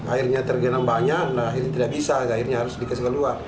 airnya tergenang banyak akhirnya tidak bisa akhirnya harus dikesek luar